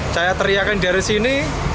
saya teriakan dari sini